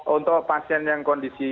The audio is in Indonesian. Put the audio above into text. untuk pasien yang kondisi